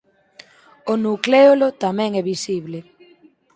O nucléolo tamén é visible.